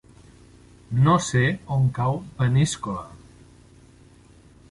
No sé on cau Peníscola.